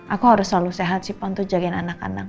aku harus selalu sehat sih pak untuk jagain anak anak